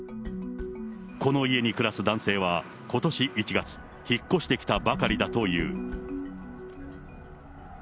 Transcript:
この家に暮らす男性は、ことし１月、引っ越してきたばかりだという。